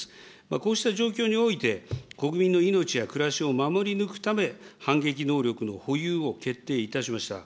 こうした状況において、国民の命や暮らしを守り抜くため、反撃能力の保有を決定いたしました。